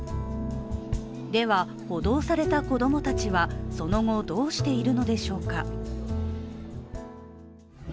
では、補導された子供たちはその後、どうしているのでしょうか。